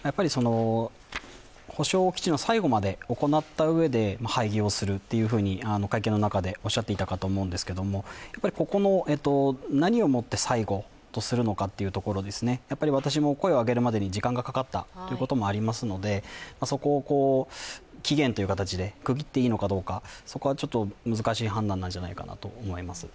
補償というのを最後まで行った上で廃業すると会見の中でおっしゃっていたかと思うんですけど、ここの何をもて最後とするかですよね、私も声を上げるまでに時間がかかったこともありますので、そこを期限という形で区切っていいのかどうかそこはちょっと難しい判断なのじゃないかなと思います。